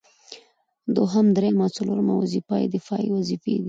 دوهم، دريمه او څلورمه وظيفه يې دفاعي وظيفي دي